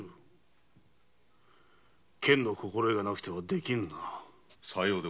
剣の心得がなくては出来ぬな。